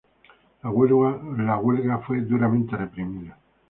La huelga fue duramente reprimida.